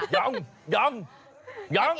ยังยังยัง